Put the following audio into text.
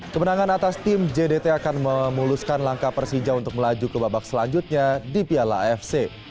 kemenangan atas tim jdt akan memuluskan langkah persija untuk melaju ke babak selanjutnya di piala afc